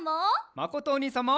まことおにいさんも！